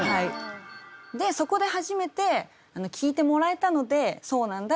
そこで初めて聞いてもらえたので「そうなんだ。